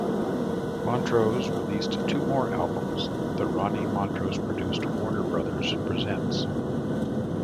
Montrose released two more albums, the Ronnie Montrose-produced Warner Brothers Presents...